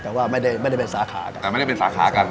แต่ไม่ได้เป็นสาขากัน